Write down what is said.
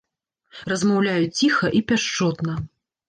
Размаўляюць ціха і пяшчотна.